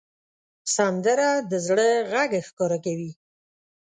سندره د زړه غږ ښکاره کوي